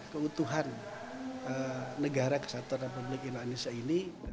keutuhan negara kesatuan dan pemilik indonesia ini